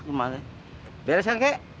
gimana beres kan kakek